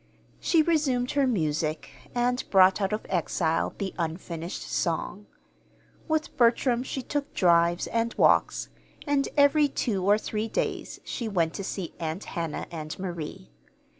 She resumed her music, and brought out of exile the unfinished song. With Bertram she took drives and walks; and every two or three days she went to see Aunt Hannah and Marie.